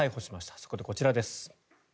そこでこちらです。